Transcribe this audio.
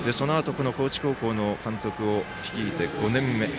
そのあと高知高校の監督を率いて５年目。